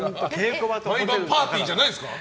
毎晩パーティーじゃないんですか。